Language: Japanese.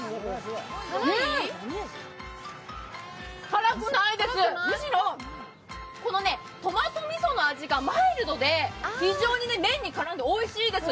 辛くないです、むしろトマトみその味がマイルドで非常に麺に絡んでおいしいです。